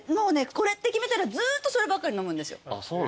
これって決めたらずっとそればっかり飲むんですよ。